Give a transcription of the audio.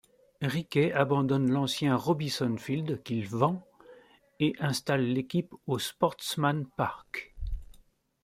Rickey abandonne l'ancien Robison Field, qu'il vend, et installe l'équipe au Sportsman's Park.